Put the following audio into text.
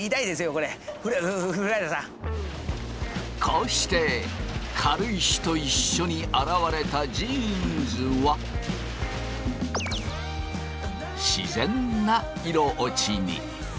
こうして軽石と一緒に洗われたジーンズは自然な色落ちに。